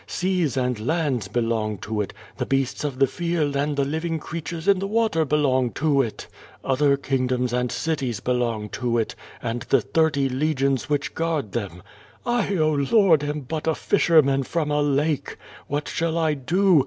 Seas and lands belong to it, the beast.s of the field and the living creatures in the water belong to it. Other kingdoms and citie^i belong to it, and the thirty 28o 0^'^ VADI8. legions which guard them. I, oh. Lord, am but a fisherman from a lake. What shall I do?